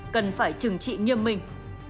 cần phải trừng trị nghiêm minh